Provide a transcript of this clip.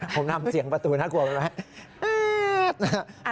ผมทำเสียงประตูน่ากลัวไหม